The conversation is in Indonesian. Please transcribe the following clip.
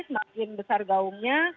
semakin besar gaungnya